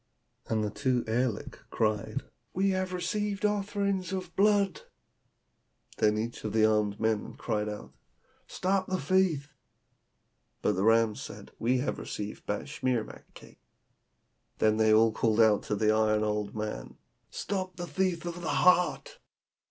And the two aerliks (fiends) cried, 'We have received offerings of blood!' Then each of the armed men cried out, 'Stop the thief!' But the rams said, 'We have received batschimak cakes.' Then they called out to the iron old man, 'Stop the thief with the heart!'